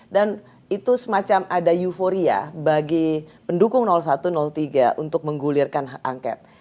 dan itu semacam ada euforia bagi pendukung satu tiga untuk menggulirkan angkat